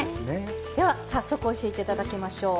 では早速教えていただきましょう。